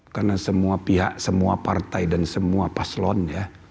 karena semua pihak semua partai dan semua paslon ya